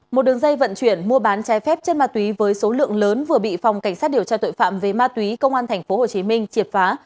một đường dây vận chuyển mua bán trái phép chất ma túy với số lượng lớn vừa bị phòng cảnh sát điều tra tội phạm về ma túy công an tp hcm triệt phá